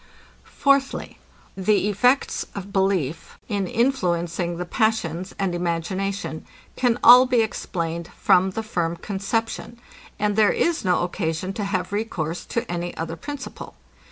Fourthly, The effects of belief, in influencing the passions and imagination, can all be explained from the firm conception; and there is no occasion to have recourse to any other principle.